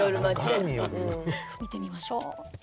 見てみましょう。